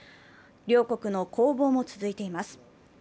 両国の攻防も続いています。